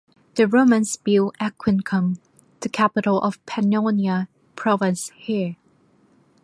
The Romans built Aquincum, the capital of Pannonia province here.